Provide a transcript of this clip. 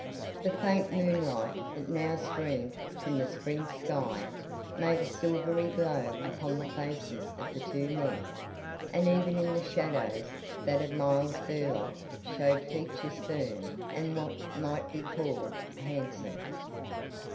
The faint moonlight, that now streamed from the spring sky, made a silvery glow upon the faces of the two men, and even in the shadows, that of Miles Burlock showed features firm and what might be called handsome.